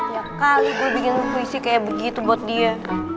tiap kali gue bikin puisi kayak begitu buat dia